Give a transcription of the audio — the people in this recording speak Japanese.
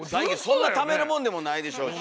そんなためるもんでもないでしょうし。